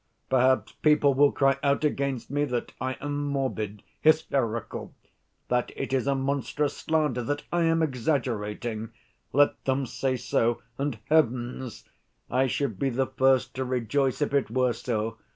"Perhaps people will cry out against me that I am morbid, hysterical, that it is a monstrous slander, that I am exaggerating. Let them say so—and heavens! I should be the first to rejoice if it were so!